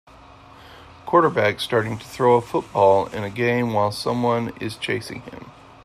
Quarterback starting to throw a football in a game while someone is chasing him.